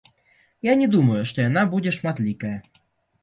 Я не думаю, што яна будзе шматлікая.